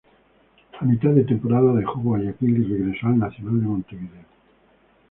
A mitad de temporada dejó Guayaquil y regresó al Nacional de Montevideo.